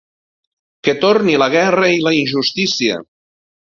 Que torni la guerra i la injustícia.